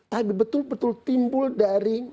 tadi betul betul timbul dari